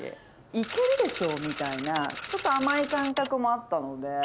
行けるでしょみたいなちょっと甘い感覚もあったので。